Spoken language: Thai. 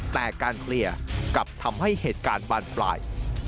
แต่การเคลียร์กลับทำให้เหตุการณ์บานปลาย